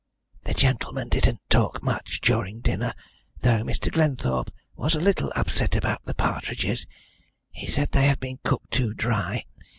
The gentlemen didn't talk much during dinner, though Mr. Glenthorpe was a little upset about the partridges. He said they had been cooked too dry.